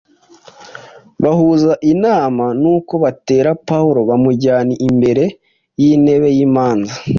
bahuza inama; nuko batera Pawulo bamujyana imbere y’intebe y’imanza,”